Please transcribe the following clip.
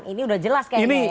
ini udah jelas kayaknya